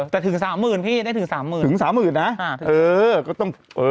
แต่ถึง๓๐๐๐๐พี่ได้ถึง๓๐๐๐๐ถึง๓๐๐๐๐นะเออก็ต้อง